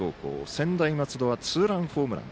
専大松戸はツーランホームラン。